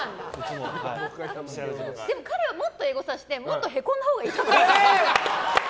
でも、彼はもっとエゴサしてもっとへこんだほうがいいと思う。